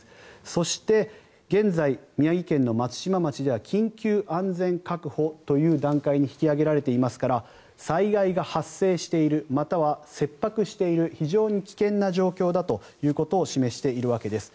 そして、現在、宮城県松島町では緊急安全確保という段階に引き上げられていますから災害が発生しているまたは切迫している非常に危険な状況だということを示しているわけです。